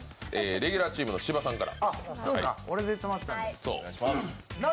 レギュラーチームの芝さんから。